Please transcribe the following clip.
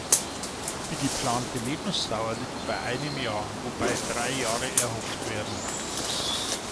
Die geplante Lebensdauer liegt bei einem Jahr, wobei drei Jahre erhofft werden.